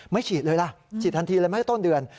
ฉีดเลยล่ะฉีดทันทีเลยไหมต้นเดือน